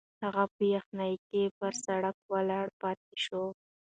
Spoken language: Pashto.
هغه په یخني کې پر سړک ولاړ پاتې شو.